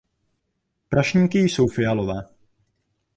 Prašníky jsou fialové.